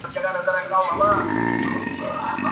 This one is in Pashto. o لکه د خره په غوږ کي چي ياسين وائې!